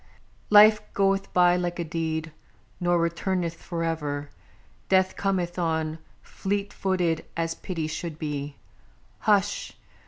_ _Life goeth by like a deed, nor returneth forever. Death cometh on, fleet footed as pity should be. Hush!